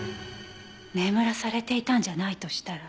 眠らされていたんじゃないとしたら。